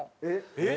えっ？